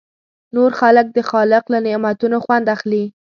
نور خلک د خالق له نعمتونو خوند اخلي.